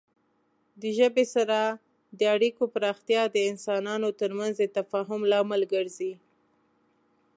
د ژبې سره د اړیکو پراختیا د انسانانو ترمنځ د تفاهم لامل ګرځي.